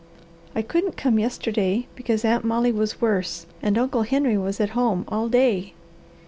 I couldn't come yesterday, because Aunt Molly was worse and Uncle Henry was at home all day."